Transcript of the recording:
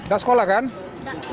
biar pak jokowi menurunkan hujan buatan